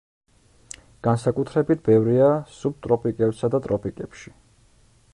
განსაკუთრებით ბევრია სუბტროპიკებსა და ტროპიკებში.